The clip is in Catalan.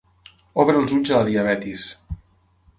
Obre els ulls a la diabetis